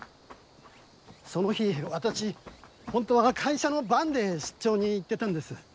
その日私本当は会社のバンで出張に行ってたんです。